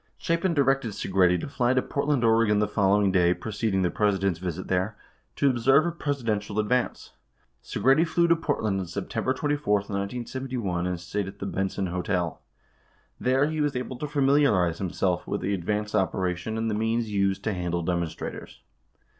18 Chapin directed Segretti to fly to Portland, Oreg., the following day, preceding the President's visit there, to observe a Presidential ad vance. Segretti flew to Portland on September 24, 1971, and stayed at the Benson Hotel. 19 There he was able to familiarize himself with the advance operation and the means used to handle demonstratrators.